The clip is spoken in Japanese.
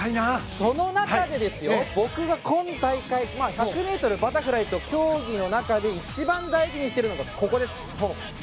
その中で僕が今大会１００ｍバタフライという競技の中で一番大事にしているのがここです。